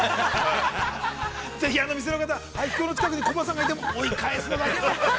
◆ぜひお店の方、排気口の近くにコバさんがいても、追い返すのだけは。